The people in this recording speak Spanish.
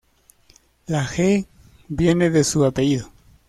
La G viene de su apellido.